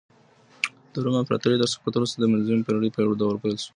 د روم امپراطورۍ تر سقوط وروسته د منځنۍ پېړۍ دوره پيل سوه.